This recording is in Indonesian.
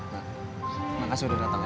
makasih udah datang ya